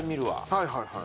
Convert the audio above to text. はいはいはい。